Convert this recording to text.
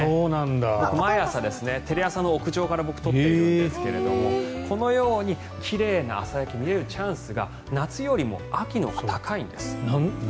僕毎朝、テレ朝の屋上から撮っているんですがこのように奇麗な朝焼けが見れるチャンスが夏よりも秋のほうが高いんです。